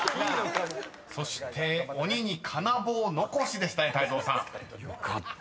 ［そして「鬼に金棒」残しでしたね泰造さん］よかった。